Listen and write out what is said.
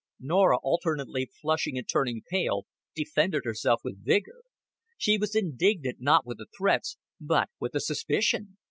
Norah, alternately flushing and turning pale, defended herself with vigor. She was indignant not with the threats, but with the suspicion.